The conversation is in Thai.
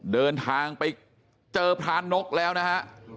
เดินทางไปเจอพระนกแล้วนะฮะ